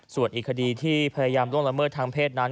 ส่วนอีกคดีที่พยายามล่วงละเมิดทางเพศนั้น